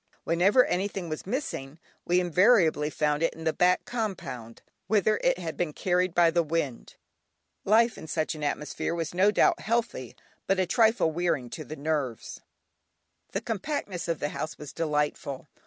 Whenever anything was missing we invariably found it in the back compound, whither it had been carried by the wind. Life in such an atmosphere was no doubt healthy, but a trifle wearing to the nerves. The compactness of the house was delightful.